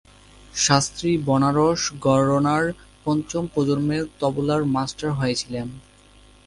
শাস্ত্রী বেনারস ঘরানার পঞ্চম প্রজন্মের তবলার মাস্টার হয়েছিলেন।